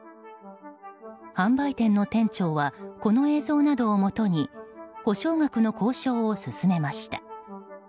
販売店の店長はこの映像などをもとに補償額の交渉を進めました。